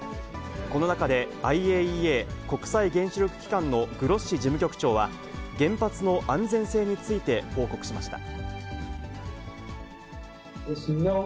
この中でＩＡＥＡ・国際原子力機関のグロッシ事務局長は、原発の安全性について報告しました。